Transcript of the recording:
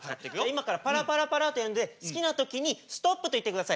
今からパラパラパラとやるんで好きな時に「ストップ」と言ってください。